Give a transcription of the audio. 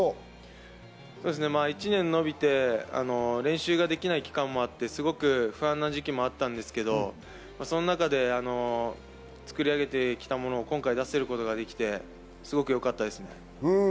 １年延びて、練習ができない期間もあって、不安な時期もあったんですけど、その中で作り上げたものを今回、出せることができてすごくよかったですね。